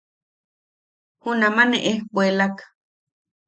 Junama ne ejkuelak.